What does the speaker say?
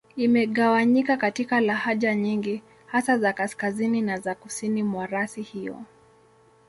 Imegawanyika katika lahaja nyingi, hasa za Kaskazini na za Kusini mwa rasi hiyo.